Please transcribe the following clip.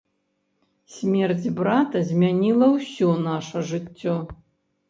Смерць брата змяніла ўсё наша жыццё.